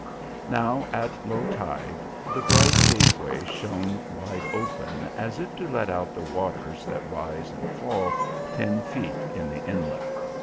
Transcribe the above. Now, at low tide, the bright gateway shone wide open, as if to let out the waters that rise and fall ten feet in the inlet.